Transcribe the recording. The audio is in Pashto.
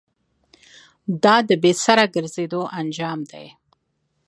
دا د بې سره گرځېدو انجام دی.